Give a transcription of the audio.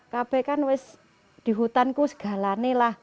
kami kan di hutan ini segalanya lah